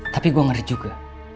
tapi gue ngeri juga